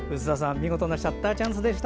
見事なシャッターチャンスでした。